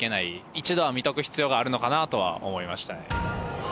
一度は見ておく必要があるのかなとは思いましたね。